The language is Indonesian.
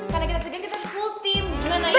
karena kita segera kita full team gimana ya